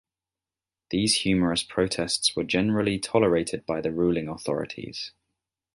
These humorous protests were generally tolerated by the ruling authorities.